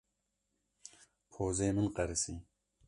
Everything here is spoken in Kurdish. Pozê min qerisî.